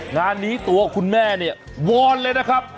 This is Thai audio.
งานนี้ตัวคุณแม่เนี่ยวอนเลยนะครับ